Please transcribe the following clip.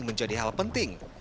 menjadi hal penting